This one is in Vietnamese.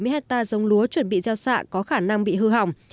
một sáu trăm bảy mươi hectare dòng lúa chuẩn bị gieo xạ có khả năng bị hư hỏng